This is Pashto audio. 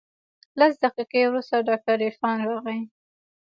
لس دقيقې وروسته ډاکتر عرفان راغى.